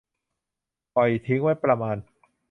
ปล่อยทิ้งไว้ประมาณ